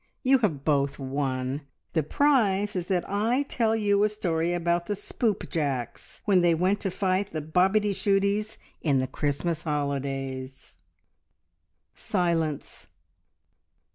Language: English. You have both won! The prize is that I tell you a story about the Spoopjacks, when they went to fight the Bobityshooties in the Christmas holidays!" Silence.